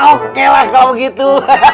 oke lah kalau begitu